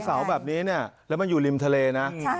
สาวแบบนี้เนี่ยจะมาอยู่ริมทะเลนะ